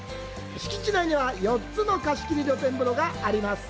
敷地内には、４つの貸し切り露天風呂があります。